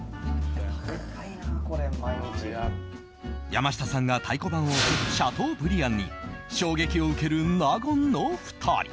山下さんが太鼓判を押すシャトーブリアンに衝撃を受ける納言の２人。